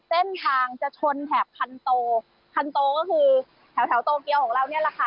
เส้นทางจะชนแถบคันโตคันโตก็คือแถวแถวโตเกียวของเราเนี่ยแหละค่ะ